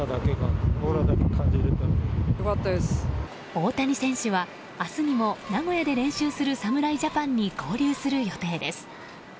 大谷選手は、明日にも名古屋で練習する侍ジャパンに合流する予定です。